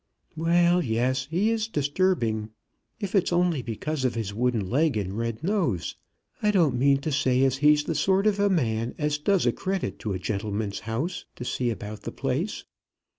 "Well, yes; he is disturbing; if it's only because of his wooden leg and red nose. I don't mean to say as he's the sort of a man as does a credit to a gentleman's house to see about the place.